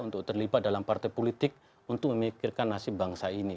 dan juga terlibat dalam partai politik untuk memikirkan nasib bangsa ini